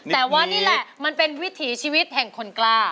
แต่ว่านี่แหละมันเป็นวิถีชีวิตแห่งคนกล้า